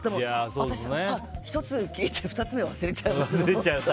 私は１つを聞いて２つ目、忘れちゃうんです。